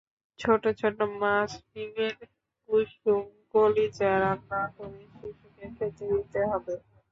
ছোট ছোট মাছ, ডিমের কুসুম, কলিজা রান্না করে শিশুকে খেতে দিতে হবে।